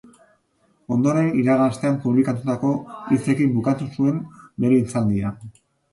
Ondoren, iragan astean publikatutako hitzekin bukatu zuen bere hitzaldia.